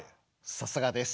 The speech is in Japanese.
さすがです。